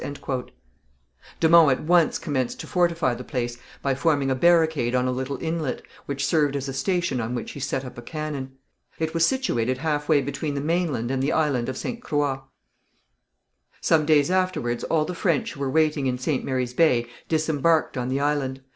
De Monts at once commenced to fortify the place by forming a barricade on a little inlet, which served as a station on which he set up a cannon; it was situated halfway between the mainland and the island of Ste. Croix. Some days afterwards all the French who were waiting in St. Mary's Bay disembarked on the island.